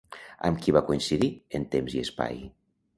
Amb qui va coincidir en temps i espai?